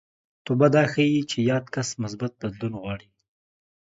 توبه دا ښيي چې یاد کس مثبت بدلون غواړي